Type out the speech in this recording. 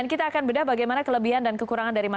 iya selamat malam